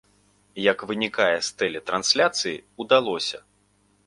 Як вынікае з тэлетрансляцыі, удалося!